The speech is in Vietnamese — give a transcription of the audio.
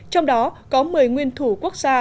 trong đó có một mươi nguyên thủ quốc gia